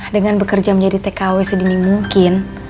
dengan bekerja menjadi tkw sedini mungkin